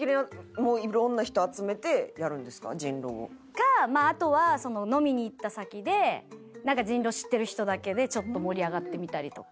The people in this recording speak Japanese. かあとは飲みに行った先で人狼知ってる人だけでちょっと盛り上がってみたりとか。